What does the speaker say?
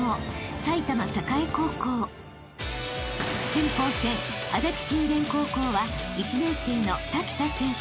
［先鋒戦足立新田高校は１年生の瀧田選手］